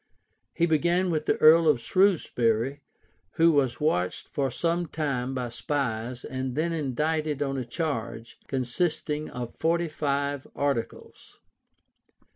He began with the earl of Shrewsbury, why was watched for some time by spies, and then indicted on a charge, consisting of forty five articles.